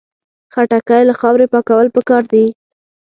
خټکی له خاورې پاکول پکار دي.